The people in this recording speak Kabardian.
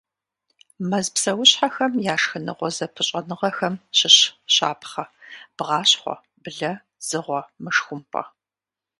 Мэз псэущхьэхэм я шхыныгъуэ зэпыщӏэныгъэхэм щыщ щапхъэ: бгъащхъуэ – блэ – дзыгъуэ – мышхумпӏэ.